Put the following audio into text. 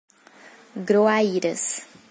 Groaíras